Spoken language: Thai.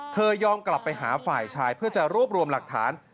ยอมกลับไปหาฝ่ายชายเพื่อจะรวบรวมหลักฐาน